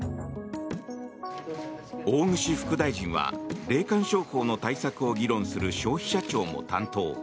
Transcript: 大串副大臣は霊感商法の対策を議論する消費者庁も担当。